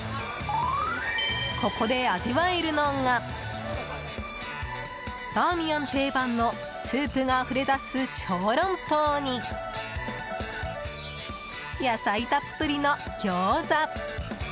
ここで味わえるのがバーミヤン定番のスープがあふれ出す小龍包に野菜たっぷりのギョーザ。